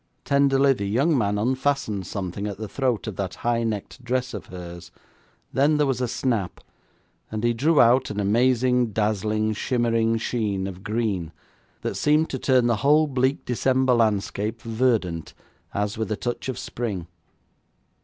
Tenderly the young man unfastened something at the throat of that high necked dress of hers, then there was a snap, and he drew out an amazing, dazzling, shimmering sheen of green, that seemed to turn the whole bleak December landscape verdant as with a touch of spring.